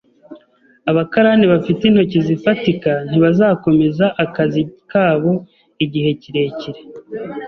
Abakarani bafite intoki zifatika ntibazakomeza akazi kabo igihe kirekire